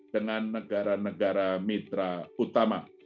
dengan negara negara mitra utama